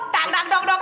tak tak dok dok